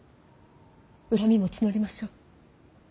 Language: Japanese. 恨みも募りましょう。